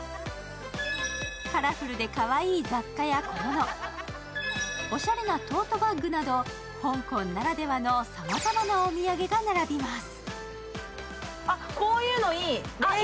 カラフルでかわいい雑貨や小物、おしゃれなトートバッグなど香港ならではのさまざまなお土産が並びます。